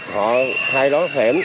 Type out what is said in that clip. họ thay đổi hiểm